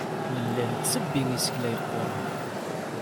Nella nettebbi isekla yeqquren.